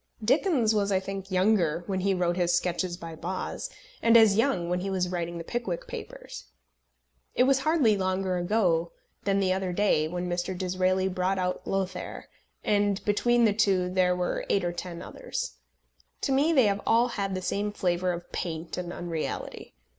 Dickens was, I think, younger when he wrote his Sketches by Boz, and as young when he was writing the Pickwick Papers. It was hardly longer ago than the other day when Mr. Disraeli brought out Lothair, and between the two there were eight or ten others. To me they have all had the same flavour of paint and unreality.